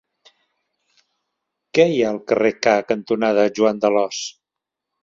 Què hi ha al carrer K cantonada Joan d'Alòs?